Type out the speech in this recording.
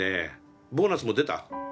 ボーナスも出た？